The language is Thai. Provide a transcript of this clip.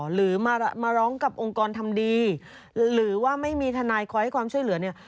หรือมาร้องกับองค์กรทำดีหรือว่าไม่มีทนายคอยให้ความช่วยเหลือเนี่ย